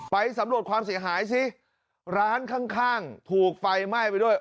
ไปสำรวจความเสียหายสิร้านข้างข้างถูกไฟไหม้ไปด้วย